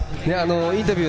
インタビュー